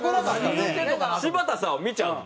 柴田さんを見ちゃうの。